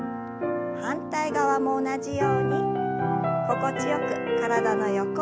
反対側も同じように心地よく体の横を伸ばします。